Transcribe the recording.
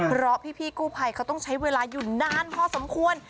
เพราะพี่กู้ภัยเขาต้องใช้เวลาอยู่นานพอสมควร